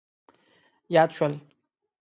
یاد شول.